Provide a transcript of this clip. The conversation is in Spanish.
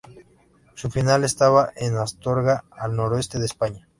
Su final estaba en Astorga al Noroeste de España.